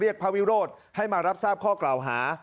พระวิโรธให้มารับทราบข้อกล่าวหา